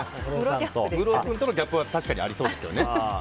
ムロ君とのギャップは確かにありそうですよね。